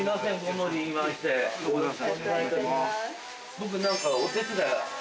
僕何か。